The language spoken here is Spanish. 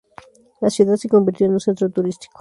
La ciudad se convirtió en un centro turístico.